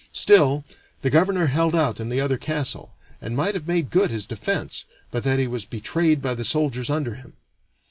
Still the governor held out in the other castle, and might have made good his defense, but that he was betrayed by the soldiers under him.